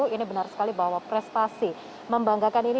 ini benar sekali bahwa prestasi membanggakan ini